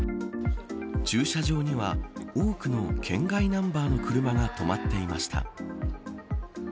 駐車場には、多くの県外ナンバーの車が止まっていました。